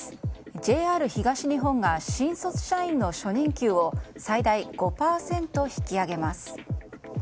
ＪＲ東日本が新卒社員の初任給を最大５％引き上げます。